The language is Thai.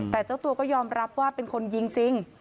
แต่เจ้าตัวก็ยอมรับว่าเป็นคนยิงจริง